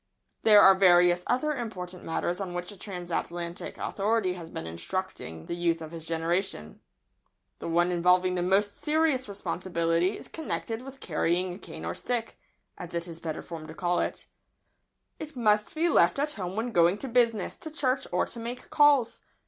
There are various other important matters on which a transatlantic authority has been instructing the youth of his generation. The one involving the most serious responsibility is connected with carrying a cane or stick, as it is better form to call it. [Sidenote: Transatlantic etiquette.] It must be left at home when going to business, to church, or to make calls.